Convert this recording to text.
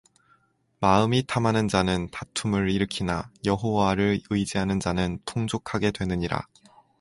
마음이 탐하는 자는 다툼을 일으키나 여호와를 의지하는 자는 풍족하게 되느니라